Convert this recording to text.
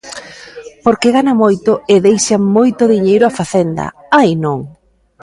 Porque gana moito e deixa moito diñeiro a facenda, ai non!